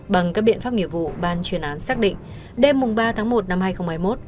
bằng các biện pháp nghiệp vụ ban chuyên án xác định đêm ba tháng một năm hai nghìn hai mươi một